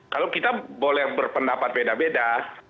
kalau kita boleh berpendapat beda beda